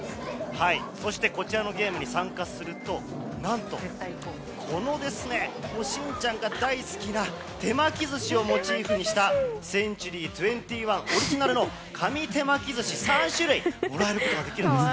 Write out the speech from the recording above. そしてこちらのゲームに参加すると何と、しんちゃんが大好きな手巻き寿司をモチーフにしたセンチュリー２１オリジナルの紙手巻き寿司３種類もらえることができるんです。